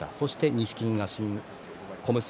錦木が新小結。